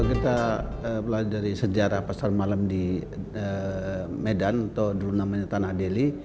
kira kira kalau kita belajar dari sejarah pasar malam di medan atau dulu namanya tanah delhi